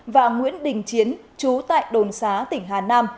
và nguyễn đình chiến chú tại đồn xá tỉnh hà nam